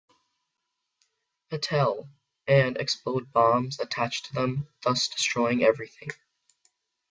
Patel, and explode bombs attached to them, thus destroying everything.